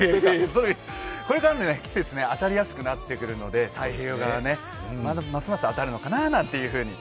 これからの季節当たりやすくなってくるので、太平洋側ねますます当たるのかなって。